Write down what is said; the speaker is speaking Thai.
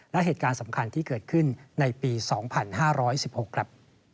และเหตุการณ์สำคัญที่เกิดขึ้นในปี๒๕๑๖ครับ